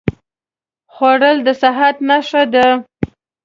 خوړل د صحت نښه ده